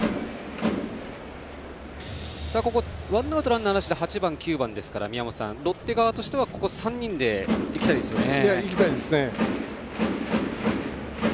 ワンアウトランナーなしで８番、９番ですから宮本さん、ロッテ側としては３人でいきたいですよね。